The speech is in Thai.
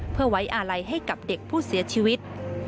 เพื่อไว้อาลัยให้กับเด็กผู้เสียชีวิต